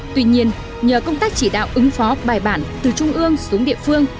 tuy nhiên nhờ công tác chỉ đạo ứng phó bài bản từ trung ương xuống địa phương